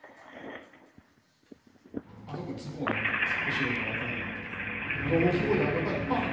あそこに突っ込んだみたいな、後ろから追っかけられて。